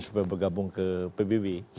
supaya bergabung ke pbb